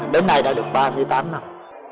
đến nay đã được ba mươi tám năm